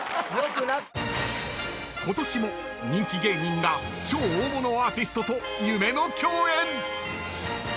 ［ことしも人気芸人が超大物アーティストと夢の共演］